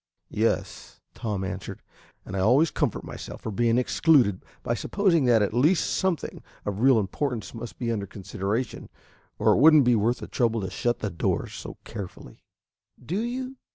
"Yes," Tom answered; "and I always comfort myself for being excluded by supposing that at least something of real importance must be under consideration or it would n't be worth the trouble to shut the doors so carefully." "Do you?"